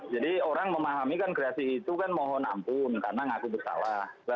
jadi orang memahamikan gerasi itu kan mohon ampun karena ngaku bersalah